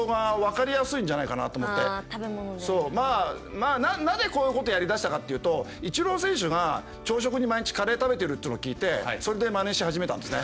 まあなぜこういうことやりだしたかっていうとイチロー選手が朝食に毎日カレー食べてるっていうのを聞いてそれでまねし始めたんですね。